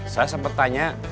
saya sempat tanya